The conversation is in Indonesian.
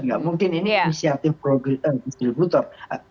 nggak mungkin ini inisiatif distributor